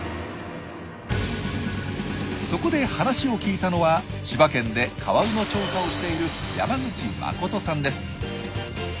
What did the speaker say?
そこで話を聞いたのは千葉県でカワウの調査をしている山口誠さんです。